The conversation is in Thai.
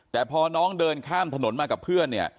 แต่พอน้องเดินข้ามถนนมากับเพื่อนเนี่ย